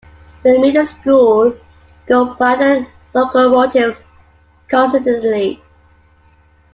The middle school go by the Locomotives coincidentally.